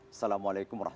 assalamualaikum wr wb